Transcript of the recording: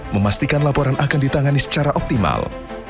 memastikan laporan akan ditangani secara optimal